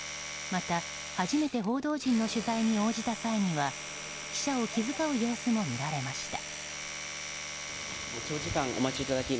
また、初めて報道陣の取材に応じた際には記者を気遣う様子も見られました。